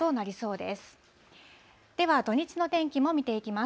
では土日の天気も見ていきます。